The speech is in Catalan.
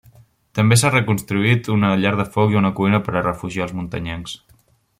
També s'ha reconstruït una llar de foc i una cuina per a refugiar els muntanyencs.